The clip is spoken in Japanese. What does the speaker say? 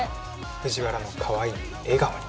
藤原のかわいい笑顔に！